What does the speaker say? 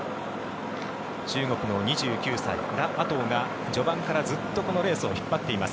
中国の２９歳、ラ・アトウが序盤からずっとこのレースを引っ張っています。